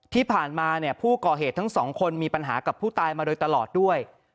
ที่ผ่านมาเนี่ยผู้ก่อเหตุทั้งสองคนมีปัญหากับผู้ตายมาโดยตลอดด้วย